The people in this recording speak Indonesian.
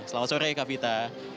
selamat sore kak vita